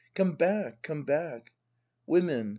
] Come back! Come back! Women.